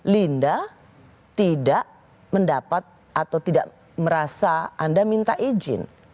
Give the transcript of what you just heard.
linda tidak mendapat atau tidak merasa anda minta izin